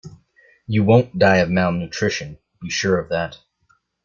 You won't die of malnutrition, be sure of that.